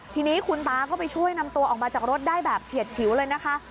ทีนี้คุณตาก็ไปช่วยนำตัวออกมาจากรถได้แบบเฉียดฉิวเลยนะคะ